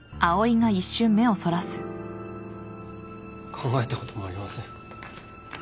考えたこともありません。